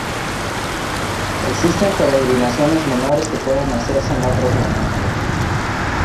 Existen peregrinaciones menores que pueden hacerse en otros momentos.